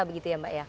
begitu ya mbak ya